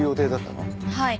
はい。